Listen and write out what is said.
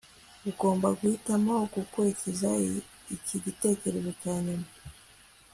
Ugomba guhitamo gukurikiza iki gitekerezo cya nyuma